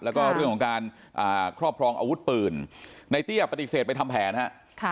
แล้วก็เรื่องของการครอบครองอาวุธปืนในเตี้ยปฏิเสธไปทำแผนฮะ